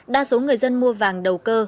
đa số người dân mua vàng đầu cơ